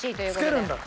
つけるんだ。